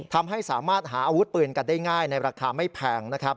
ทำให้สามารถหาอาวุธปืนกันได้ง่ายในราคาไม่แพงนะครับ